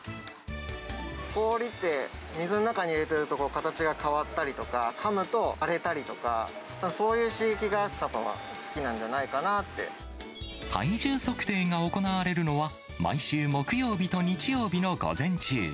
氷って、水の中に入れてると形が変わったりとか、かむと割れたりとか、そういう刺激が、チャパは好きなんじゃない体重測定が行われるのは、毎週木曜日と日曜日の午前中。